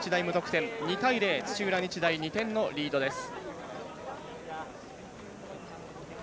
２対０、土浦日大２点のリードです。